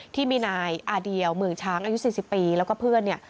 ที่มีนายอาเดียวเหมืองช้างอายุ๔๐ปีแล้วก็เพื่อนเนี่ย